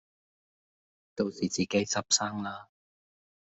到時自己執生啦